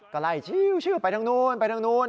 ก็ไล่ไปทั้งนู้นไปทั้งนู้น